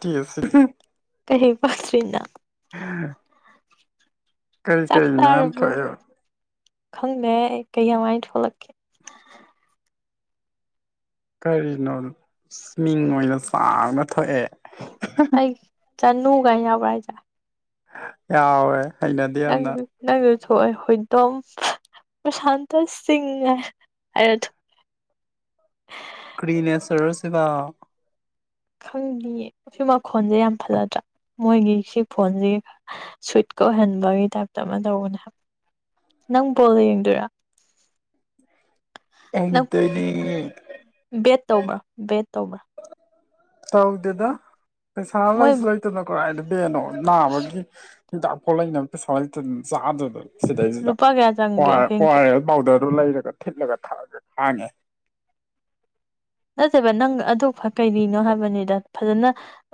ꯊꯁ ꯀꯩ ꯄꯥꯁ꯭ꯔꯤꯅ ꯀꯔꯤ ꯆꯥꯛ ꯀꯔꯤ ꯅꯦꯝ ꯆꯥꯔꯕꯣ ꯊꯣ ꯈꯪꯗꯦ ꯀꯩ ꯀꯃꯥꯏꯅ ꯊꯣꯛꯂꯛꯀꯦ ꯀꯔꯤꯅꯣ ꯃꯤꯡ ꯑꯣꯏꯅ ꯆꯥꯡꯅ ꯊꯣꯛꯑꯦ ꯆꯅꯅꯨꯡꯒ ꯌꯥꯎꯕꯔ ꯆ ꯌꯥꯋꯦ ꯅꯪ ꯅꯪꯁꯨ ꯊꯣꯛꯑꯦ ꯍꯣꯏꯗꯣꯝ ꯄ꯭ꯔꯁꯥꯟꯇ ꯁꯤꯡ ꯍꯥꯏꯔ ꯀ꯭ꯔꯤꯅꯦꯆꯔꯁꯤꯒ ꯈꯪꯉꯌꯦ ꯃꯈꯣꯟꯁꯦ ꯌꯥꯝ ꯐꯂꯗ꯭ꯔꯥ ꯃꯣꯏꯒꯤ ꯁꯤ ꯐꯣꯟꯁꯤ ꯁꯋꯤꯠꯀ ꯑꯣꯏꯍꯟꯕꯒꯤ ꯇꯥꯏꯞꯇ ꯑꯃ ꯇꯧꯕꯅꯦ ꯍꯥꯏ ꯅꯪ ꯕꯣꯜꯗ ꯌꯦꯡꯗꯣꯏꯔꯥ ꯅꯪ ꯑꯦꯡꯇꯅꯤ ꯕꯦꯠ ꯇꯧꯕ꯭ꯔꯥ ꯕꯦꯠ ꯇꯧꯕ꯭ꯔꯥ ꯇꯧꯗꯦꯗ ꯄꯩꯁꯥ ꯃꯣꯏ ꯂꯩꯁꯨ ꯂꯩꯇꯅ ꯀꯔꯥꯏꯗꯕꯦꯅꯣ ꯅꯥꯕꯒꯤ ꯍꯤꯗꯥꯛꯐꯥꯎ ꯂꯩꯅꯕ ꯄꯩꯁꯥ ꯂꯩꯇ ꯑꯗꯨꯝ ꯆꯥꯗꯗ ꯁꯤꯗꯩꯁꯤꯗ ꯂꯨꯄꯥ ꯀꯌꯥ ꯆꯪꯒꯦ ꯑꯣꯔ ꯑꯁꯦꯡꯀꯤ ꯑꯦ ꯕꯥꯎꯗꯔꯗꯨꯣ ꯂꯩꯔꯒ ꯊꯤꯠꯂꯒ ꯊꯛꯑꯒ ꯍꯥꯡꯉꯦ ꯅꯠꯇꯦꯕ ꯅꯪ ꯑꯗꯨ ꯀꯩꯔꯤꯅꯣ ꯍꯥꯏꯕꯅꯤꯗ ꯐꯖꯅ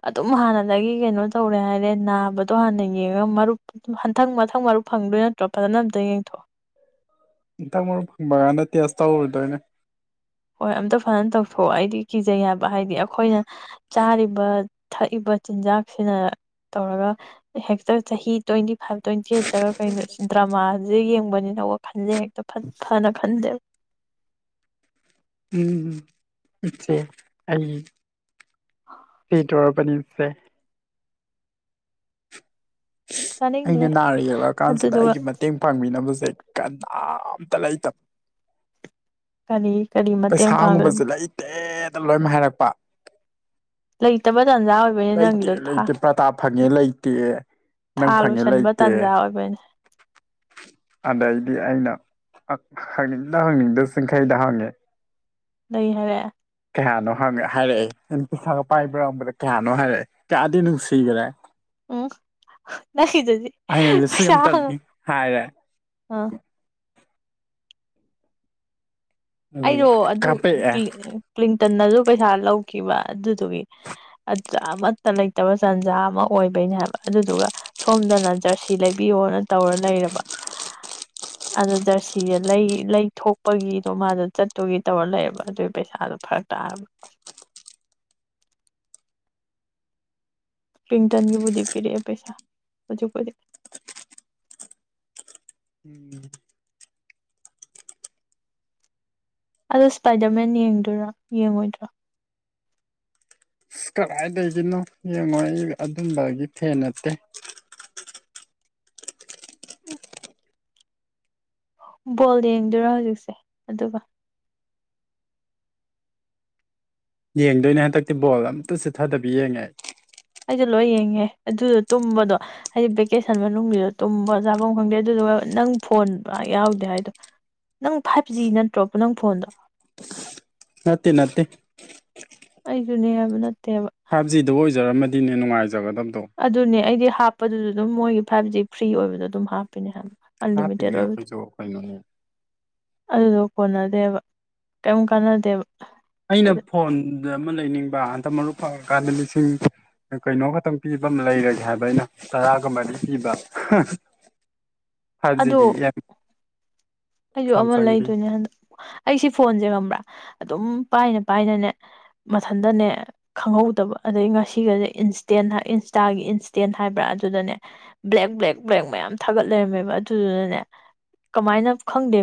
ꯑꯗꯨꯝ ꯍꯥꯟꯅꯗꯒꯤ ꯀꯩꯅꯣ ꯇꯧꯔꯦ ꯍꯥꯏꯔꯦ ꯅꯥꯕꯗꯣ ꯍꯥꯟꯅ ꯌꯦꯡꯉꯒ ꯃꯔꯨꯞ ꯍꯟꯊꯪ ꯃꯊꯪ ꯃꯔꯨꯞ ꯐꯪꯗꯣꯏ ꯅꯠꯇ꯭ꯔꯣ ꯐꯖꯅ ꯑꯝꯇ ꯌꯦꯡꯊꯣꯛꯑꯣ ꯏꯊꯪ ꯃꯔꯨꯞ ꯕꯒꯥꯟꯗ ꯇꯦꯁ ꯇꯧꯔꯨꯗꯣꯏꯅꯦ ꯍꯣꯏ ꯑꯝꯇ ꯐꯖꯅ ꯇꯧꯊꯣꯛꯑꯣ ꯑꯩꯗꯤ ꯀꯤꯖꯩ ꯌꯥꯕ ꯍꯥꯏꯗꯤ ꯑꯩꯈꯣꯏꯅ ꯆꯥꯔꯤꯕ ꯊꯛꯏꯕ ꯆꯤꯟꯖꯥꯛꯁꯤꯅ ꯇꯧꯔꯒ ꯍꯦꯛꯇ ꯆꯍꯤ ꯇ꯭ꯋꯦꯟꯇꯤ ꯐꯥꯏꯚ ꯇ꯭ꯋꯦꯟꯇꯤ ꯑꯩꯠꯇꯒ ꯀꯩꯅꯣ ꯗ꯭ꯔꯃꯥꯥꯁꯦ ꯌꯦꯡꯕꯅꯤꯅ ꯈꯟꯖꯦ ꯍꯦꯛꯇ ꯐꯅ ꯈꯟꯖꯦ ꯎꯝ ꯏꯆꯦ ꯑꯩ ꯁꯤ ꯇꯧꯔꯄꯅꯤ ꯁꯦ ꯆꯥꯅꯤꯡꯗꯦ ꯑꯩꯅ ꯅꯥꯔ ꯌꯦꯛꯂꯛꯑ ꯀꯥꯟꯁꯤꯗ ꯑꯗꯨꯗꯨꯒ ꯑꯩꯒꯤ ꯃꯇꯦꯡ ꯐꯪꯕꯤꯅꯕꯁꯦ ꯀꯅꯥꯝꯇ ꯂꯩꯇꯕ ꯀꯔꯤ ꯀꯔꯤ ꯃꯇꯦꯡ ꯄꯥꯡꯈ꯭ꯕꯅꯣ ꯇꯦꯗ ꯂꯣꯏꯃꯛ ꯍꯥꯏꯔꯛꯄ ꯂꯩ ꯇꯕꯗꯨ ꯑꯖꯥ ꯑꯣꯏ ꯂꯩꯇꯦ ꯂꯩꯇꯦ ꯄ꯭ꯔꯇꯥ ꯐꯪꯉꯦ ꯂꯩꯇꯦ ꯊꯥ ꯅꯪ ꯐꯪꯉꯦ ꯂꯣꯏꯁꯟꯕ ꯂꯩꯇꯦ ꯇꯥꯟꯖꯥ ꯑꯣꯏꯕꯩꯅꯦ ꯑꯗꯩꯗꯤ ꯑꯩꯅ ꯍꯪꯅꯤꯡꯗ ꯍꯪꯅꯤꯡꯗ ꯆꯤꯡꯈꯩꯗ ꯍꯪꯉꯦ ꯂꯩ ꯍꯥꯏꯔꯦ ꯀꯌꯥꯅꯣ ꯍꯪꯉ ꯍꯥꯏꯔꯛꯑꯦ ꯅꯪ ꯄꯩꯁꯥꯒ ꯄꯥꯏꯕꯥꯝꯕꯗ ꯀꯌꯥꯅꯣ ꯍꯥꯏꯔꯛꯑꯦ ꯀꯗ ꯅꯪ ꯁꯒ꯭ꯔꯦ ꯎꯝ ꯅ ꯆꯖꯤ ꯑꯩꯅ ꯂꯤꯁꯤꯡ ꯑꯃꯇꯪꯅꯤ ꯍꯥꯏꯔꯦ ꯑ ꯑꯗꯨꯒ ꯑꯩꯗꯣ ꯑꯗꯨ ꯀꯥꯞꯄꯛꯑꯦ ꯀ꯭ꯂꯤꯟꯇꯟꯅꯁꯨ ꯄꯩꯁꯥ ꯂꯧꯈꯤꯕ ꯑꯗꯨꯗꯨꯒꯤ ꯑꯃꯠꯇ ꯂꯩꯇꯕ ꯇꯥꯟꯖꯥ ꯑꯃ ꯑꯣꯏꯕꯩꯅꯦ ꯍꯥꯏꯕ ꯑꯗꯨꯗꯨꯒ ꯁꯣꯝꯗꯅ ꯖꯔꯁꯤ ꯂꯩꯕꯤꯌꯣꯅ ꯇꯧꯔ ꯂꯩꯔꯕ ꯑꯗ ꯖꯔꯁꯤꯁꯦ ꯂꯩ ꯂꯩ ꯊꯣꯛꯣꯛꯄꯒꯤꯗꯣ ꯃꯥꯗꯣ ꯆꯠꯇꯨꯒꯤ ꯇꯧꯔ ꯂꯩꯌꯦꯕ ꯑꯗꯨꯒꯤ ꯄꯩꯁꯥꯗꯣ ꯐꯔꯛ ꯇ ꯄ꯭ꯔꯤꯡꯇꯟꯒꯤꯕꯨꯗꯤ ꯄꯤꯔꯛꯑꯦ ꯄꯩꯁꯥ ꯍꯧꯖꯤꯛꯄꯗꯤꯛ [unintelligible] [inaudible] ꯑꯗꯣ ꯁꯄꯥꯏꯗꯔꯃꯦꯟ ꯌꯦꯡꯗꯣꯏꯔꯥ ꯌꯦꯡꯉꯣꯏꯗꯔꯣ ꯑꯁ ꯀꯗꯥꯏꯗꯒꯤꯅꯣ ꯌꯦꯡꯉꯣꯏ ꯑꯩ ꯑꯗꯨꯝꯕꯒꯤ ꯐꯦꯟ ꯅꯠꯇꯦ ꯕꯣꯜ ꯌꯦꯡꯗꯣꯏꯔꯣ ꯍꯧꯖꯤꯛꯁꯦ ꯑꯗꯨꯒ ꯌꯦꯡꯗꯣꯏꯅꯦ ꯍꯟꯗꯛꯇꯤ ꯕꯣꯜ ꯑꯝꯇ ꯆꯤꯠꯊꯗꯕꯤ ꯌꯦꯡꯉꯦ ꯑꯩ ꯑꯩꯁꯨ ꯂꯣꯏ ꯌꯦꯡꯉꯦ ꯑꯗꯨꯗꯣ ꯇꯨꯝꯕꯗꯣ ꯍꯥꯏꯗꯤ ꯚꯦꯀꯦꯁꯟ ꯃꯅꯨꯡꯁꯤꯗ ꯇꯨꯝꯕ ꯆꯥꯐꯝ ꯈꯪꯗꯦ ꯑꯗꯨꯗꯨꯒ ꯅꯪ ꯐꯣꯟꯕ [unintelligible] ꯌꯥꯎꯗꯦ ꯍꯥꯏꯗꯣ ꯅꯪ ꯐꯥꯏꯚ ꯖꯤ ꯅꯠꯇ꯭ꯔꯣꯕ ꯅꯪ ꯐꯣꯟꯗꯣ ꯅꯠꯇꯦ ꯅꯠꯇꯦ ꯑꯩꯁꯨꯅꯦ ꯍꯥꯏꯕ ꯅꯠꯇꯦꯕ ꯐꯥꯏꯚ ꯖꯤꯗꯨ ꯑꯣꯏꯖꯔꯝꯃꯗꯤꯅꯦ ꯅꯨꯡꯉꯥꯏꯖꯒꯗꯕꯗꯣ ꯑꯗꯨꯅꯦ ꯑꯩꯗꯤ ꯍꯥꯞꯄꯗꯨꯗ ꯑꯗꯨꯝ ꯃꯣꯏꯒꯤ ꯐꯥꯏꯕ ꯖꯤ ꯐ꯭ꯔꯤ ꯑꯣꯏꯕꯗꯣ ꯑꯗꯨꯝ ꯍꯥꯞꯄꯤꯅꯦ ꯍꯥꯏꯕ ꯑꯟꯂꯤꯃꯤꯇꯦꯠ ꯍꯥꯞꯄꯤꯅꯦ ꯑꯣꯏꯕꯗꯣ [unintelligible] ꯑꯩꯈꯣꯏꯁꯨ ꯀꯩꯅꯣꯅꯦ ꯑꯗꯨꯗꯣ ꯀꯣꯟꯅꯗꯦꯕ ꯀꯩꯝ ꯀꯥꯟꯅꯗꯦꯕ ꯑꯩꯅ ꯑꯩꯈꯣꯏꯗ ꯐꯣꯟꯗ ꯑꯃ ꯂꯩꯅꯤꯡꯕ ꯍꯟꯇ ꯃꯔꯨꯞ ꯐꯪꯉꯀꯥꯟꯗ ꯂꯤꯁꯤꯡ ꯀꯩꯅꯣ ꯈꯛꯇꯪ ꯄꯤꯕ ꯑꯃ ꯂꯩꯔꯒꯦ ꯍꯥꯏꯕ ꯑꯩꯅ ꯇꯔꯥꯒ ꯃꯔꯤ ꯄꯤꯕ [unintelligible] ꯍꯥꯖꯤꯒꯤ [unintelligible] [inaudible] ꯑꯩꯗꯣ ꯑꯃ ꯂꯩꯗꯣꯏꯅꯦ ꯍꯟꯗꯛ ꯑꯩꯁꯤ ꯐꯣꯟꯁꯦ ꯉꯝꯕ꯭ꯔꯥ ꯑꯗꯨꯝ ꯄꯥꯏꯅ ꯄꯥꯏꯅꯅꯦ ꯃꯊꯟꯗꯅꯦ ꯈꯪꯍꯧꯗꯕ ꯑꯗꯩ ꯉꯁꯤꯒꯁꯦ ꯏꯟꯁꯇꯦꯟ ꯏꯟꯁꯇꯥꯒꯤ ꯏꯟꯁꯇꯦꯟ ꯍꯥꯏꯕ꯭ꯔꯥ ꯑꯗꯨꯗꯅꯦ ꯕ꯭ꯂꯦꯛ ꯕ꯭ꯂꯦꯛ ꯕ꯭ꯂꯦꯛ ꯃꯌꯥꯝ ꯊꯥꯒꯠ ꯂꯩꯔꯝꯃꯦꯕ ꯑꯗꯨꯗꯨꯅꯅꯦ ꯀꯃꯥꯏꯅ ꯈꯪꯗꯦ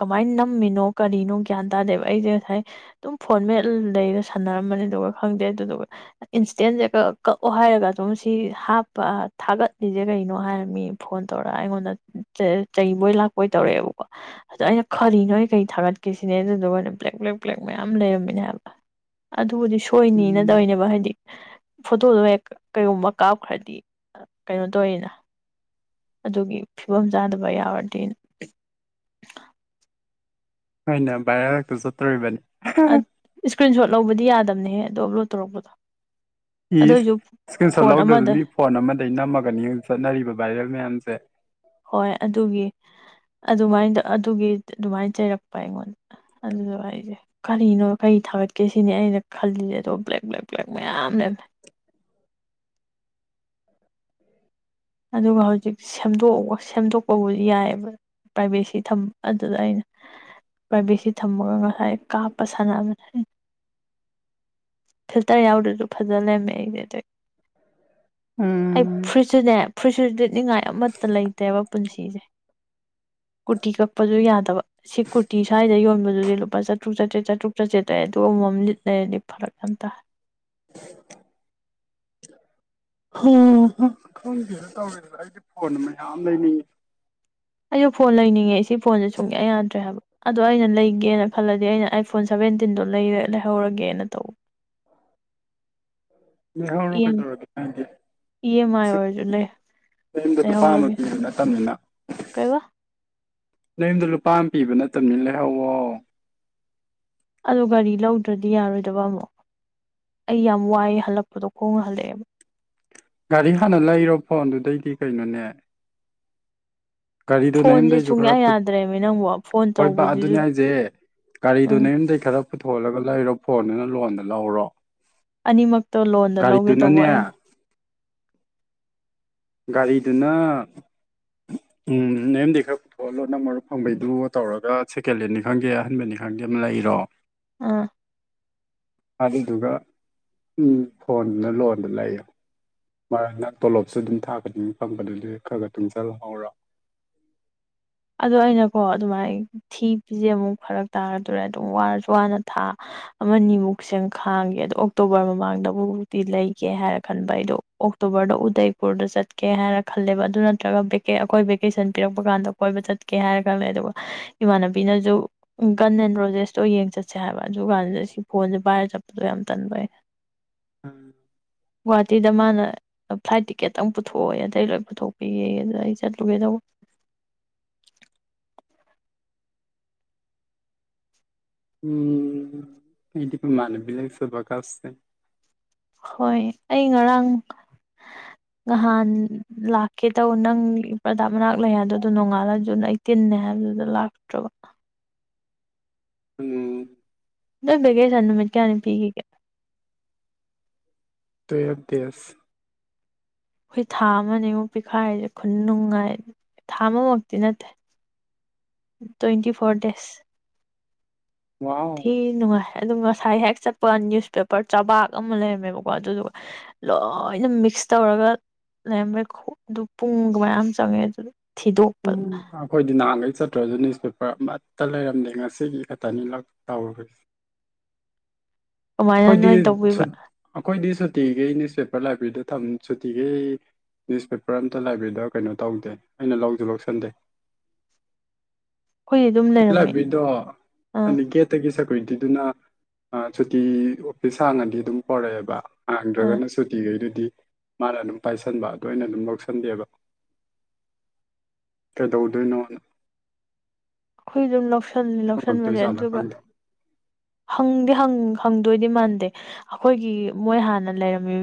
ꯀꯃꯥꯏꯅ ꯅꯝꯃꯤꯅꯣ ꯀꯔꯤꯅꯣ ꯒꯌꯥꯟ ꯇꯥꯗꯦꯕ ꯑꯩꯁꯦ ꯉꯁꯥꯏ ꯑꯗꯨꯝ ꯐꯣꯟ ꯃꯦꯠꯂ ꯂꯩꯒ ꯁꯥꯟꯅꯔꯝꯃꯅꯤꯗꯨꯒ ꯈꯪꯗꯦ ꯑꯗꯨꯗꯨꯒ ꯏꯟꯁꯇꯦꯟꯁꯦ ꯀꯛ ꯀꯛꯑꯣ ꯍꯥꯏꯔꯒ ꯑꯗꯨꯝ ꯁꯤ ꯍꯥꯞꯄ ꯊꯥꯒꯠꯂꯤꯁꯦ ꯀꯩꯅꯣ ꯍꯥꯏꯔꯝꯃꯤ ꯐꯣꯟ ꯇꯧꯔꯒ ꯑꯩꯉꯣꯟꯗ ꯆ ꯆꯩꯕꯣꯏ ꯂꯥꯛꯄꯣꯏ ꯇꯧꯔꯛꯑꯦꯕ [unintelligible] [unintelligible] ꯑꯗꯣ ꯑꯩꯅ ꯈꯔꯤꯅꯣ ꯑꯩ ꯀꯩ ꯊꯥꯒꯠꯀꯦꯁꯤꯅꯦ ꯑꯗꯨꯗꯨꯒꯅ ꯕ꯭ꯂꯦꯛ ꯕ꯭ꯂꯦꯛ ꯕ꯭ꯂꯦꯛ ꯃꯌꯥꯝ ꯂꯩꯔꯝꯃꯤꯅꯦ ꯍꯥꯏꯕ ꯑꯗꯨꯕꯨꯗꯤ ꯁꯣꯏꯅꯤꯅ ꯇꯧꯏꯅꯦꯕ ꯍꯥꯏꯗꯤ ꯐꯣꯇꯣꯗꯣ ꯍꯦꯛ ꯀꯩꯒꯨꯝꯕ ꯀꯥꯞꯈ꯭ꯔꯗꯤ ꯀꯩꯅꯣ ꯇꯧꯏꯅ ꯑꯗꯨꯒꯤ ꯐꯤꯕꯝ ꯆꯥꯗꯕ ꯌꯥꯎꯔꯗꯤ [unintelligible] ꯑ [unintelligible] [inaudible] ꯍꯣꯏꯅꯦ ꯚꯥꯏꯔꯦꯜ ꯍꯦꯛꯇ ꯆꯠꯇꯣꯔꯤꯕꯅꯤ [unintelligible] ꯏꯁꯀ꯭ꯔꯤꯟ ꯁꯣꯠ ꯂꯧꯕꯗꯤ ꯌꯥꯗꯕꯅꯦꯍꯦ ꯑꯗꯣ ꯑꯞꯂꯣꯗ ꯇꯧꯔꯛꯄꯗꯣ ꯏꯁ ꯑꯗꯨꯑꯣꯏꯁꯨ ꯏꯁꯀ꯭ꯔꯤꯟ ꯁꯣꯠ ꯐꯣꯟ ꯂꯧꯗ꯭ꯔꯁꯨ ꯑꯃꯗ ꯃꯤ ꯐꯣꯟ ꯑꯃꯗꯒꯩ ꯅꯝꯃꯒꯅꯤ ꯍꯧꯖꯤꯛ ꯆꯠꯅꯔꯤꯕ ꯚꯥꯏꯔꯦꯜ ꯃꯌꯥꯝꯁꯦ ꯍꯣꯏ ꯑꯗꯨꯒꯤ ꯑꯗꯨꯃꯥꯏꯗ ꯑꯗꯨꯒꯤ ꯑꯗꯨꯃꯥꯏꯅ ꯆꯩꯔꯛꯄ ꯑꯩꯉꯣꯟꯗ ꯑꯗꯨꯖꯨ [unintelligible] ꯍꯥꯏꯖꯦ ꯀꯔꯤꯅꯣ ꯀꯔꯤ ꯊꯥꯒꯠꯀꯦ ꯁꯤꯅꯤ ꯑꯩꯅ ꯈꯜꯂꯤꯁꯦ ꯑꯗꯣ ꯕ꯭ꯂꯦꯛ ꯕ꯭ꯂꯦꯛ ꯕ꯭ꯂꯦꯛ ꯃꯌꯥꯝ ꯂꯩꯌꯝꯃꯦ [unintelligible] ꯑꯗꯨꯒ ꯍꯧꯖꯤꯛ ꯁꯦꯝꯗꯣꯛ [unintelligible] ꯁꯦꯝꯗꯣꯛꯄꯕꯨꯗꯤ ꯌꯥꯏꯌꯦꯕ ꯄ꯭ꯔꯥꯏꯚꯦꯁꯤ ꯊꯝꯕ ꯑꯗꯨꯗ ꯑꯩꯅ ꯄ꯭ꯔꯥꯏꯚꯦꯠꯁꯤ ꯊꯝꯃꯒ ꯉꯁꯥꯏ ꯀꯥꯞꯄ ꯁꯥꯟꯅꯕꯅꯦ ꯍꯥꯏ [unintelligible] ꯐꯤꯜꯇꯔ ꯌꯥꯎꯗ꯭ꯔꯁꯨ ꯐꯖꯅ ꯂꯩꯃꯦ ꯑꯩꯗꯤ ꯑꯩ ꯎꯝ ꯑꯩ ꯐꯨꯔꯤꯠꯁꯨꯅꯦ ꯐꯨꯔꯤꯠꯁꯨ ꯂꯤꯠꯅꯤꯡꯉꯥꯏ ꯑꯃꯠꯇ ꯂꯩꯇꯦꯕ ꯄꯨꯟꯁꯤꯁꯦ ꯀꯨꯔꯇꯤ ꯀꯛꯄꯁꯨ ꯌꯥꯗꯕ ꯁꯤ ꯀꯨꯔꯇꯤ ꯁꯋꯥꯏꯗ ꯌꯣꯟꯕꯗꯨꯗꯤ ꯂꯨꯄꯥ ꯆꯥꯇꯔꯨꯛ ꯆꯥꯇꯦꯠ ꯆꯥꯇꯔꯨꯛ ꯆꯇꯦꯠ [unintelligible] ꯑꯗꯨ ꯑꯃꯃꯝ ꯂꯤꯠ ꯂꯩꯔꯗꯤ ꯐꯔꯛ ꯊꯝꯇ [unintelligible] [inaudible] [unintelligible] ꯈꯪꯗꯦꯅ ꯇꯧꯔꯤꯁꯦ ꯑꯩꯗꯤ ꯐꯣꯟ ꯃꯌꯥꯝ ꯂꯩꯅꯤꯡꯉꯤ ꯑꯩꯁꯨ ꯐꯣꯟ ꯂꯩꯅꯤꯡꯉꯦ ꯁꯤ ꯐꯣꯟꯁꯦ ꯁꯨꯡꯌꯥ ꯌꯥꯗ꯭ꯔꯦ ꯍꯥꯏꯕ ꯑꯗꯣ ꯑꯩꯅ ꯂꯩꯒꯦꯅ ꯈꯜꯂꯗꯤ ꯑꯩꯅ ꯑꯥꯏꯐꯣꯟ ꯁꯚꯦꯟꯇꯤꯟꯗꯣ ꯂꯩꯔ ꯂꯩꯍꯧꯔꯒꯦꯅ ꯇꯧꯕ ꯌꯩꯍꯧꯔꯣ ꯏ ꯑꯦꯝ ꯀꯩꯗꯧꯔꯒꯦ ꯅꯪꯗꯤ ꯏ ꯑꯦꯝ ꯑꯥꯏ ꯑꯣꯏꯔꯁꯨ ꯂꯩ [unintelligible] [inaudible] ꯅꯌꯨꯝꯗ ꯂꯨꯄꯥꯝꯃ ꯂꯩꯍꯧꯔꯒꯦ ꯄꯤꯕ ꯅꯠꯇꯝꯅꯤꯅ ꯀꯩꯕ ꯅꯉꯨꯝꯗ ꯂꯨꯄꯥ ꯑꯃ ꯄꯤꯕ ꯅꯠꯇꯕꯅꯤ ꯂꯩꯍꯧꯋꯣ ꯑ ꯒꯥꯔꯤ ꯂꯧꯗ꯭ꯔꯗꯤ ꯌꯥꯔꯣꯏꯗꯕ ꯑꯃꯨꯛ ꯑꯩ ꯌꯥꯝ ꯋꯥꯏꯑ ꯍꯜꯂꯛꯄꯗꯣ ꯈꯣꯡꯅ ꯍꯜꯂꯛꯑꯦꯕ ꯒꯥꯔꯤ ꯍꯥꯟꯅ ꯂꯩꯔꯣ ꯐꯣꯟꯗꯨꯗꯩꯗꯤ ꯀꯩꯅꯣꯅꯦ ꯒꯥꯔꯤꯗꯨꯣ ꯅ ꯐꯣꯟꯁꯦ ꯌꯨꯝꯗꯩꯁꯨ ꯈꯔ ꯁꯨꯡꯌꯥ ꯌꯥꯗ꯭ꯔꯦꯃꯤ ꯅꯪꯕꯨ ꯐꯣꯟ ꯍꯣꯏꯕ ꯑꯗꯨꯅꯤ ꯇꯧꯕꯁꯤꯁꯨ ꯍꯥꯏꯁꯦ ꯒꯥꯔꯤꯗꯨꯣ ꯎꯝ ꯅꯌꯨꯝꯗꯒꯤꯩ ꯈꯔ ꯄꯨꯊꯣꯛꯍꯂꯒ ꯂꯩꯔꯣ ꯐꯣꯟꯗꯨꯅ ꯂꯣꯟꯗ ꯂꯧꯍꯧꯔꯣ ꯑꯅꯤꯃꯛꯇꯣ ꯂꯣꯟꯗ ꯂꯧꯒꯦ ꯇꯧꯕ ꯑꯩꯅ ꯒꯥꯔꯤꯗꯨꯅ ꯎꯝ ꯅꯦꯝꯗꯤ ꯈꯔ ꯄꯨꯊꯣꯛꯍꯜꯂꯣ ꯅ ꯃꯔꯨꯞ ꯐꯪꯕꯩꯗꯨꯣ ꯇꯧꯔꯒ ꯁꯦꯀꯦꯟ ꯍꯦꯟ ꯈꯪꯗꯦ ꯑꯍꯟꯕꯅꯤ ꯈꯪꯗꯦ ꯑꯃ ꯂꯩꯔꯣ ꯑꯥ ꯑꯗꯨꯗꯨꯒ ꯎ ꯐꯣꯟꯅ ꯂꯣꯟꯕ ꯂꯩꯌꯦ ꯃꯥ ꯅ ꯇꯣꯂꯣꯞꯁꯨ ꯑꯗꯨꯝ ꯊꯥꯒꯅꯤ ꯐꯪꯕꯗꯨ ꯑꯗꯨ ꯈꯔ ꯈ ꯇꯨꯡꯁꯤꯜꯍꯧꯔꯦ ꯑꯗꯣ ꯑꯩꯅꯀꯣ ꯑꯗꯨꯃꯥꯏꯅ ꯊꯤ ꯄꯤꯁꯦ ꯑꯃꯨꯛ ꯐꯔꯛ ꯇꯥꯔꯗꯣꯔꯦ ꯑꯗꯨꯝ ꯋꯥꯔꯁꯨ ꯋꯥꯅ ꯊꯥ ꯑꯃꯅꯤꯃꯨꯛ ꯁ ꯈꯥꯡꯒꯦ ꯑꯗꯣ ꯑꯣꯛꯇꯣꯕꯔ ꯃꯃꯥꯡꯗꯕꯨꯛꯇꯤ ꯂꯩꯒꯦ ꯍꯥꯏꯔ ꯈꯟꯕ ꯑꯩꯗꯣ ꯑꯣꯛꯇꯣꯕꯔꯗ ꯎꯗꯩꯄꯨꯔꯗ ꯆꯠꯀꯦ ꯍꯥꯏꯔꯅ ꯈꯜꯂꯦꯕ ꯑꯗꯨ ꯅꯠꯇ꯭ꯔꯒ ꯑꯩꯈꯣꯏ ꯚꯦꯀꯦꯁꯟ ꯄꯤꯔꯛꯄ ꯀꯥꯟꯗ ꯀꯣꯏꯕ ꯆꯠꯀꯦ ꯍꯥꯏꯔ ꯈꯜꯂ ꯑꯗꯨꯒ ꯏꯃꯥꯟꯅꯕꯤꯅꯁꯨ ꯒꯟ ꯑꯦꯟ ꯔꯣꯖꯦꯁꯇꯣ ꯌꯦꯡ ꯆꯠꯁꯦ ꯍꯥꯏꯕ ꯑꯗꯨ ꯀꯥꯟꯗꯨꯗ ꯁꯤ ꯐꯣꯟꯁꯦ ꯚꯥꯏꯔ ꯆꯠꯄꯗꯣ ꯌꯥꯝ ꯇꯟꯕꯩ [unintelligible] ꯎꯝ ꯒꯨꯍꯥꯇꯤꯗ ꯃꯥꯅ ꯐ꯭ꯂꯥꯏꯠ ꯇꯤꯀꯦꯠꯇꯇꯪ ꯄꯨꯊꯣꯛꯑꯣꯦ ꯑꯇꯩ ꯂꯣꯏ ꯄꯨꯊꯣꯛꯄꯒꯤꯌꯦ ꯑꯗꯨꯗ ꯑꯩ ꯆꯠꯂꯨꯒꯦ ꯇꯧꯕ ꯎꯝ ꯏꯗꯤꯀ ꯃꯥꯟꯕꯤ ꯆꯕ ꯀꯥꯥꯁꯁꯦ ꯍꯣꯏ ꯑꯩ ꯉꯔꯥꯡ ꯅꯍꯥꯟ ꯂꯥꯛꯀꯦ ꯇꯧꯕ ꯅꯪ ꯄ꯭ꯔꯗ ꯃꯅꯥꯛ ꯂꯩꯌꯥꯗ ꯑꯗꯨ ꯅꯣꯡꯉꯥꯜꯂ ꯑꯗꯨꯅ ꯑꯩ ꯀꯅꯦ ꯂꯥꯛ ꯇ ꯎꯝ ꯂꯣꯏꯕꯒꯦ ꯁꯥꯟ ꯅꯨ ꯃ ꯀꯌꯥꯅꯤ ꯄꯤꯈꯤꯒꯦ ꯇꯨꯌꯦꯜꯞ ꯗꯦꯖ ꯑꯩꯈꯣꯏ ꯊꯥ ꯑꯃꯅꯦꯃꯨꯛ ꯄꯤꯈꯥꯏꯔꯤꯁꯦ ꯈꯨꯟ ꯅꯨꯡꯉꯥꯏ ꯊꯥ ꯑꯃꯃꯛꯇꯤ ꯅꯠꯇꯦ ꯇ꯭ꯋꯦꯟꯇꯤ ꯐꯣꯔ ꯗꯦꯁ ꯋꯥ ꯅꯨꯡꯉꯥꯏ ꯑꯗꯨꯝ ꯉꯁꯥꯏ ꯍꯦꯛ ꯆꯠꯄ ꯅ꯭ꯌꯨꯁꯄꯦꯄꯔ ꯆꯕꯥꯛ ꯑꯃ ꯂꯩꯔꯝꯃꯦꯕꯀꯣ ꯑꯗꯨꯗꯨꯒ ꯂꯣꯏꯅ ꯃꯤꯛꯁ ꯇꯧꯔꯒ ꯂꯩꯔꯝꯃꯦ ꯑꯗꯨ ꯄꯨꯡꯒ ꯃꯌꯥꯝ ꯆꯪꯉꯦ ꯑꯗꯨ ꯎꯝ ꯊꯤꯗꯣꯛꯄꯗ ꯑꯩꯈꯣꯏꯗꯤ ꯅꯍꯥꯟꯒꯩ ꯆꯠꯇ꯭ꯔꯁꯨ ꯅ꯭ꯌꯨꯁꯄꯦꯄꯔ ꯑꯃꯠꯇ ꯂꯩꯔꯝꯗꯦ ꯉꯁꯤꯒꯤ ꯈꯛꯇꯅꯤ ꯇꯧꯔꯨꯨꯔꯁꯦ ꯀꯃꯥꯏꯅ ꯑꯩꯈꯣꯏꯗꯤ ꯅꯣꯏ ꯇꯧꯕꯤꯕ ꯑꯩꯈꯣꯏꯗꯤ ꯁꯨꯇꯤꯒꯤꯩ ꯅ꯭ꯌꯨꯁꯄꯦꯄꯔ ꯂꯥꯏꯕꯦꯔꯤꯗ ꯊꯝ ꯁꯨꯇꯤꯒꯩ ꯅ꯭ꯌꯨꯁꯄꯦꯄꯔ ꯑꯃꯝꯇ ꯂꯥꯏꯕ꯭ꯔꯦꯗ ꯀꯩꯅꯣ ꯇꯧꯗꯦ ꯑꯩꯅ ꯂꯧꯁꯨ ꯂꯧꯁꯟꯗꯦ ꯑꯩꯈꯣꯏꯗꯤ ꯑꯗꯨꯝ ꯂꯩꯔꯝꯃꯦ ꯑ ꯑꯠꯇꯒꯤ ꯁꯦꯀꯌꯨꯔꯤꯇꯤꯗꯨꯅ ꯁꯨꯇꯤ ꯑꯣꯐꯤꯁ ꯍꯥꯡꯉꯗꯤ ꯑꯗꯨꯝ ꯄꯧꯔꯛꯑꯦꯕ ꯑꯥ ꯍꯥꯡꯗ꯭ꯔꯒꯅ ꯁꯨꯇꯤꯈꯩꯗꯨꯗꯤ ꯃꯥꯅ ꯑꯗꯨꯝ ꯄꯥꯏꯁꯟꯕ ꯑꯗꯨ ꯑꯣꯏꯅ ꯑꯗꯨꯝ ꯂꯧꯁꯟꯗꯦꯕ ꯀꯩꯗꯧꯗꯣꯏꯅꯣ ꯑꯩꯈꯣꯏ ꯑꯗꯨꯝ ꯂꯧꯁꯂꯦ ꯂꯧꯁꯟꯕꯅꯦ ꯍꯪꯉꯛꯇꯣꯏꯖꯥꯠꯂ ꯑꯗꯨꯒ ꯈꯪꯗꯦ ꯍꯪꯗꯤ ꯍꯪꯗꯣꯏꯗꯤ ꯃꯥꯟꯗꯦ ꯑꯩꯈꯣꯏꯒꯤ ꯃꯣꯏ ꯍꯥꯟꯅ ꯂꯩꯔꯝꯃꯤ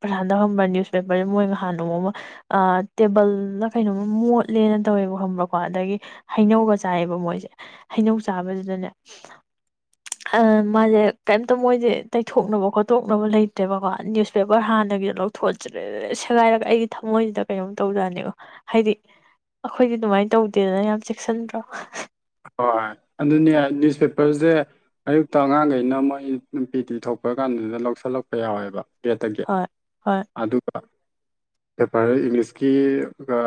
ꯄ꯭ꯔꯁꯥꯗꯧꯔꯕ ꯅ꯭ꯌꯨꯁꯄꯦꯄꯔꯁꯤ ꯃꯣꯏ ꯅꯍꯥꯟ ꯅꯣꯡꯃ ꯑ ꯇꯦꯕꯜꯅ ꯀꯩꯅꯣꯃ ꯃꯣꯠꯂꯦꯅ ꯇꯧꯋꯦꯕ ꯈꯪꯕ꯭ꯔꯥꯀꯣ ꯑꯗꯒꯤ ꯍꯩꯅꯧꯒ ꯆꯥꯏꯌꯦꯕ ꯃꯣꯏꯁꯦ ꯍꯩꯅꯧ ꯆꯥꯕꯁꯤꯗꯅꯦ ꯃꯥꯁꯦ ꯀꯩꯝꯇ ꯃꯣꯏꯁꯦ ꯇꯩꯊꯣꯛꯅꯕ ꯈꯣꯠꯇꯣꯛꯅꯕ ꯂꯩꯇ꯭ꯔꯦꯕꯀꯣ ꯅ꯭ꯌꯨꯁꯄꯦꯄꯔ ꯍꯥꯟꯅꯒꯤ ꯂꯧ ꯊꯣꯠꯆꯔꯦ ꯁꯦꯒꯥꯏꯔꯒ ꯑꯩꯒꯤ ꯊꯝꯃꯣꯏꯁꯤꯗ ꯀꯩꯅꯣꯝ ꯇꯧꯗꯅꯦꯕ ꯍꯥꯏꯗꯤ ꯑꯩꯈꯣꯏꯗꯤ ꯑꯗꯨꯃꯥꯏꯅ ꯇꯧꯗꯦꯗꯅ ꯌꯥꯝ ꯆꯦꯛꯁꯤꯟꯗ꯭ꯔꯣ ꯍꯣꯏ ꯑꯗꯨꯅꯦ ꯅ꯭ꯌꯨꯁꯄꯦꯄꯔꯁꯦ ꯑꯌꯨꯛꯇ ꯑꯉꯥꯡꯈꯩꯅ ꯃꯣꯏ ꯅꯨꯡꯇꯤꯒꯤ ꯊꯣꯛꯄ ꯀꯥꯟꯗꯨꯗ ꯂꯧꯁꯤꯜꯂꯛꯄ ꯌꯥꯎꯋꯦꯕ ꯒꯦꯠꯇꯒꯤ ꯍꯣꯏ ꯍꯣꯏ ꯑꯗꯨꯒ ꯄꯦꯄꯔ ꯏꯪꯂꯤꯁꯀꯤ ꯒꯥ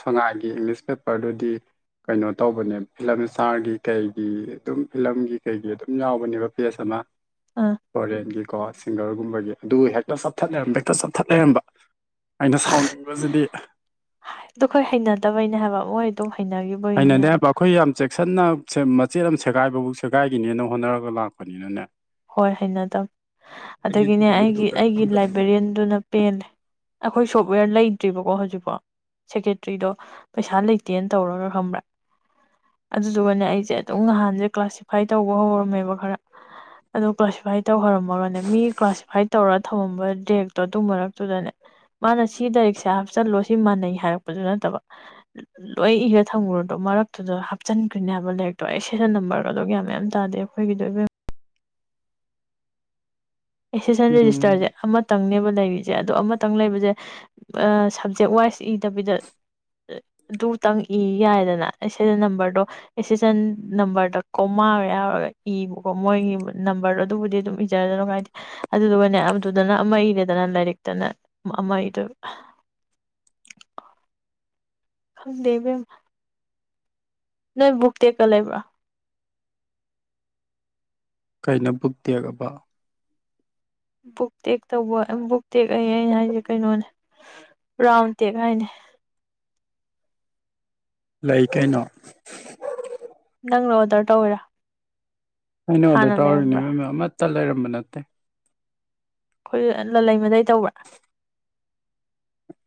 ꯁꯉꯥꯏꯒꯤ ꯏꯪꯂꯤꯁ ꯄꯦꯄꯔꯗꯨꯗꯤ ꯀꯩꯅꯣ ꯇꯧꯕꯅꯦ ꯐꯤꯂꯝ ꯏꯁꯇꯥꯔꯒꯤ ꯀꯩꯒꯤ ꯑꯗꯨꯝ ꯐꯤꯂꯝꯒꯤ ꯀꯩꯒꯤ ꯑꯗꯨꯝ ꯌꯥꯎꯕꯅꯦꯕ ꯄꯦꯖ ꯑꯃ ꯑꯥ ꯐꯣꯔꯦꯟꯒꯤꯀꯣ ꯁꯤꯡꯒꯔꯒꯨꯝꯕꯒꯤ ꯑꯗꯨ ꯍꯦꯛꯇ ꯆꯞꯊꯠ ꯂꯩꯔꯝꯕ ꯍꯦꯛꯇ ꯆꯞꯊꯠ ꯂꯩꯔꯝꯕ ꯑꯩꯅ ꯁꯥꯎꯅꯤꯡꯕꯁꯤꯗꯤ ꯍꯥꯏ ꯗꯨ ꯑꯩꯈꯣꯏ ꯍꯩꯅꯗꯕꯩꯅꯦ ꯍꯥꯏꯕ ꯃꯣꯏ ꯑꯗꯨꯝ ꯍꯩꯅꯈꯤꯕ ꯍꯩꯅꯗꯦꯕ ꯑꯩꯈꯣꯏ ꯌꯥꯝ ꯆꯦꯛꯁꯤꯟꯅ ꯃꯆꯦꯠ ꯑꯃ ꯁꯦꯒꯥꯏꯕꯕꯧ ꯁꯦꯒꯥꯏꯈꯤꯅꯦꯅ ꯍꯣꯠꯅꯔꯒ ꯂꯥꯛꯄꯅꯤꯅꯅꯦ ꯍꯣꯏ ꯍꯏꯩꯅꯗꯕꯅꯤ ꯑꯩꯈꯣꯏꯗꯤ ꯑꯗꯨ ꯑꯗꯨꯒꯤꯅꯦ ꯚꯦꯂꯨꯗꯨ ꯑꯩꯒꯤ ꯀꯩꯅꯣ ꯑꯩꯒꯤ ꯈꯪꯗꯕꯅꯤꯅ ꯂꯥꯏꯕ꯭ꯔꯦꯔꯤꯌꯟꯗꯨꯅ ꯄꯦꯟꯂꯦ ꯑꯩꯈꯣꯏ ꯁꯣꯞꯋꯦꯔ ꯂꯩꯇ꯭ꯔꯤꯕꯀꯣ ꯍꯧꯖꯤꯛꯐꯣ ꯁꯦꯀ꯭ꯔꯦꯇ꯭ꯔꯤꯗꯣ ꯄꯩꯁꯥ ꯂꯩꯇꯦꯅ ꯇꯧꯔꯒ ꯈꯝꯕ꯭ꯔꯥ ꯑꯗꯨꯗꯨꯒꯅꯦ ꯑꯩꯁꯦ ꯑꯗꯨꯝ ꯅꯍꯥꯟꯁꯦ ꯀ꯭ꯂꯥꯁꯤꯐꯥꯏ ꯇꯧꯕ ꯍꯧꯔꯝꯃꯦꯕ ꯈꯔ ꯑꯗꯣ ꯀ꯭ꯂꯥꯁꯤꯐꯥꯏ ꯇꯧꯍꯔꯝꯃꯒꯅꯦ ꯃꯤ ꯀ꯭ꯂꯥꯁꯤꯐꯥꯏ ꯇꯧꯔꯒ ꯊꯝꯃꯝꯕ ꯗꯦꯛꯇꯣ ꯑꯗꯨ ꯃꯔꯛꯇꯨꯗꯅꯦ ꯃꯥꯅ ꯁꯤ ꯗꯔꯤꯛꯁꯦ ꯍꯥꯞꯆꯜꯂꯣ ꯁꯤ ꯃꯥꯟꯅꯩ ꯍꯥꯏꯔꯛꯄꯁꯨ ꯅꯠꯇꯕ ꯂꯣꯏ ꯏꯔ ꯊꯝꯃꯨꯔꯗꯣ ꯃꯔꯛꯇꯨꯗ ꯍꯥꯞꯆꯟꯈ꯭ꯔꯤꯅꯦ ꯍꯥꯏꯕ ꯂꯩꯔꯛꯇꯣ ꯑꯩ ꯁꯤꯖꯤꯅꯥ ꯅꯝꯕꯔꯒꯗꯣ ꯒꯌ꯭ꯥꯟ ꯃꯦꯟꯒ ꯑꯃꯇꯥ ꯇꯥꯗꯦ [inaudible] ꯑꯦꯁꯤꯁꯟ ꯎꯝ ꯔꯦꯖꯤꯁꯇꯔꯁꯦ ꯑꯃ ꯇꯪꯅꯦꯕ ꯂꯩꯔꯤꯁꯦ ꯑꯗꯣ ꯑꯃꯇꯪ ꯂꯩꯕꯁꯦ ꯑ ꯁꯕꯖꯦꯛ ꯋꯥꯏꯁ ꯏꯗꯕꯤꯗ ꯑꯗꯨꯇꯪ ꯏ ꯌꯥꯏꯗꯅ ꯁꯤꯗ ꯅꯝꯕꯔꯗꯣ [unintelligible] ꯅꯝꯕꯔꯗ ꯀꯣꯃꯥꯒ ꯌꯥꯎꯔꯒ ꯏꯕꯀꯣ ꯃꯣꯏꯒꯤ ꯅꯝꯕꯔꯗꯣ ꯑꯗꯨꯕꯨꯗꯤ ꯑꯗꯨꯝ [unintelligible] ꯑꯗꯨꯗꯨꯒꯅꯦ ꯑꯗꯨꯗꯅ ꯑꯃ ꯏꯔꯦꯗꯅ ꯂꯥꯏꯔꯤꯛꯇꯅ ꯑꯃ ꯏꯗꯨꯕ ꯈꯪꯗꯦ ꯏꯕꯦꯝꯃꯥ ꯅꯣꯏ ꯕꯨꯛ ꯇꯦꯞꯀ ꯂꯩꯕ꯭ꯔꯥ ꯀꯩꯅꯣ ꯕꯨꯛ ꯇꯦꯛ ꯑꯕꯣ ꯕꯨꯛ ꯇꯦꯛ ꯇꯧꯕ ꯕꯨꯛ ꯇꯦꯛ ꯑꯩ ꯑꯩꯅ ꯍꯥꯏꯁꯦ ꯀꯩꯅꯣꯅꯦ ꯔꯥꯎꯟ ꯇꯦꯛ ꯍꯥꯏꯅꯦ꯫ ꯂꯩ ꯀꯩꯅꯣ ꯅꯪꯅ ꯑꯣꯗꯔ ꯇꯧꯋꯔꯤꯔꯣ ꯑꯩꯅ ꯑꯣꯔꯗꯔ ꯇꯧꯔꯤꯅꯦ ꯑꯤꯕꯦꯝꯃꯥ ꯑꯃꯠꯇ ꯂꯩꯔꯝꯕ ꯅꯠꯇꯦ ꯑꯩꯈꯣꯏ ꯑ ꯂꯜꯂꯩꯃꯗꯩ ꯇꯧꯕ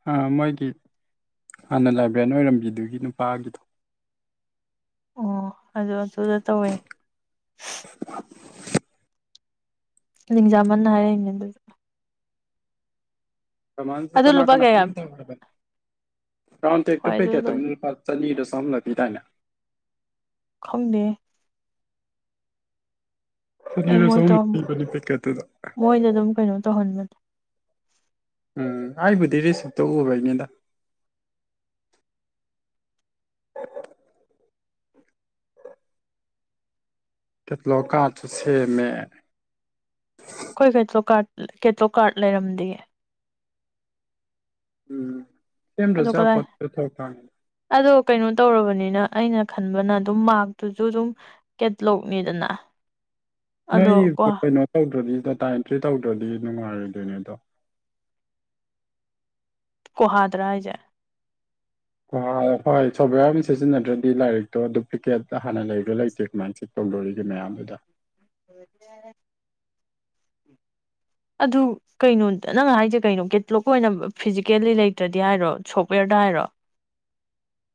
ꯑ ꯃꯣꯏꯒꯤ ꯍꯥꯟꯅ ꯂꯥꯏꯕ꯭ꯔꯦꯟ ꯑꯣꯏꯔꯝꯕꯤꯗꯨꯒꯤ ꯅꯨꯄꯥꯒꯤꯗꯣ ꯑꯣ ꯑꯗꯨ ꯑꯗꯨꯗ ꯇꯧꯋꯦ [inaudible] ꯂꯤꯡꯖꯥꯃꯟꯅ ꯍꯥꯏꯔꯛꯏꯅꯦ ꯑꯗꯨ ꯀꯃꯥꯟꯁꯨ ꯑꯗꯨ ꯀꯅꯥ ꯂꯨꯄꯥ ꯀꯌꯥ ꯀꯅꯥꯅ [inaudible] ꯔꯣꯏꯟ ꯇꯦꯛ ꯇꯣ ꯍꯣꯏ ꯑꯗꯨ ꯄꯀꯦꯠꯇꯥ ꯂꯣꯏ ꯃꯤ ꯅꯤꯄꯥꯜ ꯑꯅꯤꯗ ꯆꯍꯨꯃꯂꯥ ꯄꯤꯗꯥꯏꯅꯦ ꯈꯪꯗꯦꯍꯦ ꯆꯅꯤꯔ ꯆꯍꯨꯝꯂ ꯄꯤꯕꯒꯤ ꯄꯀꯦꯠꯇꯨꯗ ꯃꯣꯏꯅ ꯑꯗꯨꯝ ꯀꯩꯅꯣ ꯇꯧꯍꯟꯕꯅꯦ ꯎꯝ ꯑꯩꯕꯨꯗꯤ ꯔꯤꯁꯤꯞꯇ ꯎꯕꯩꯅꯤꯗ ꯀꯦꯇꯂꯣꯛ ꯀꯔꯗ ꯇꯣ ꯁꯦꯝꯃꯦ ꯑꯩꯈꯣꯏ ꯀꯦꯇꯂꯣ ꯀꯥꯔ ꯀꯦꯇꯂꯣꯛ ꯀꯥꯔꯠ ꯂꯩꯔꯝꯗꯤꯌꯦ ꯎꯝ ꯑꯗꯣ ꯁꯦꯝꯗꯖꯥ ꯀꯗꯥꯏ ꯄꯣꯠꯇ [unintelligible] ꯑꯗꯣ ꯀꯩꯅꯣ ꯇꯧꯔꯕꯅꯤꯅ ꯑꯩꯅ ꯈꯟꯕꯅ ꯑꯗꯨꯝ ꯃꯥꯔꯛꯇꯨꯁꯨ ꯑꯗꯨꯝ ꯀꯦꯠꯂꯣꯛꯅꯤꯗꯅ ꯑꯗꯣ ꯅꯩꯏ ꯀꯣ ꯀꯩꯅꯣ ꯇꯧꯗ꯭ꯔꯗꯤ ꯗꯇꯥꯥꯏꯟꯇ꯭ꯔꯤ ꯇꯧꯗ꯭ꯔꯗꯤ ꯅꯨꯡꯉꯥꯏꯔꯣꯏꯗꯣꯏꯅꯦ ꯑꯗꯣ ꯀꯣꯍꯗ꯭ꯔ ꯍꯏꯁꯦ ꯍꯣꯏ ꯍꯣꯏ ꯁꯣꯐꯋꯦꯌꯥꯔ ꯑꯃ ꯁꯤꯖꯤꯟꯅꯗ꯭ꯔꯗꯤ ꯂꯥꯏꯔꯤꯛꯇꯣ ꯗꯨꯄ꯭ꯂꯤꯀꯦꯠ ꯍꯥꯟꯅ ꯂꯩꯕ꯭ꯔꯣ ꯂꯩꯇꯦ ꯀꯃꯥꯏꯅ ꯆ ꯇꯧꯗꯣꯒꯦ ꯃꯌꯥꯝꯗꯨꯗ ꯑꯣꯏ ꯌꯥ ꯑꯗꯨ ꯀꯩꯅꯣ ꯅꯪ ꯍꯥꯏꯁꯦ ꯀꯩꯅꯣ ꯀꯦꯇꯂꯣꯛ ꯑꯣꯏꯅ ꯐꯤꯖꯤꯀꯦꯜꯂꯤ ꯂꯩꯇ꯭ꯔꯗꯤ ꯍꯥꯏꯔꯣ ꯁꯣꯞꯋꯦꯔꯗ ꯍꯥꯏꯔꯣ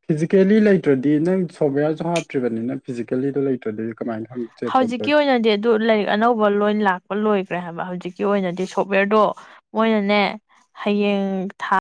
ꯐꯤꯖꯤꯀꯦꯜꯂꯤ ꯂꯩꯇ꯭ꯔꯗꯤ ꯅꯪ ꯁꯣꯞꯋꯦꯌꯥꯔꯁꯨ ꯍꯥꯞꯇ꯭ꯔꯤꯕꯅꯤ ꯅꯪ ꯐꯤꯖꯤꯀꯦꯜꯂꯤꯗ ꯂꯩꯇ꯭ꯔꯗꯤ ꯀꯃꯥꯏꯅ ꯈꯪ ꯆꯦꯛ ꯇꯧꯗꯣꯔꯤ ꯍꯧꯖꯤꯛꯀꯤ ꯑꯣꯏꯅꯗꯤ ꯑꯗꯨ ꯂꯥꯏꯔꯤꯛ ꯑꯅꯧꯕ ꯂꯣꯏ ꯂꯥꯛꯄ ꯂꯣꯏꯈ꯭ꯔꯦ ꯍꯥꯏꯕ ꯍꯧꯖꯤꯛꯀꯤ ꯑꯣꯏꯅꯗꯤ ꯁꯣꯐꯋꯦꯔꯗꯣ ꯃꯣꯏꯅꯅꯦ ꯍꯌꯦꯡ ꯊꯥ